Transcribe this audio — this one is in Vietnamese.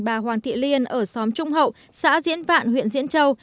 bà hoàng thị liên ở xóm trung hậu xã diễn vạn huyện diễn châu